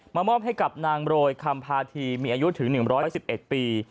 มอบให้กับนางโรยคำพาธีมีอายุถึง๑๑๑ปี